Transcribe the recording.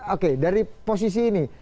oke dari posisi ini